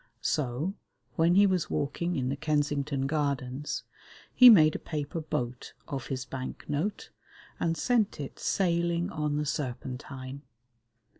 So, when he was walking in the Kensington Gardens, he made a paper boat of his bank note, and sent it sailing on the Serpentine.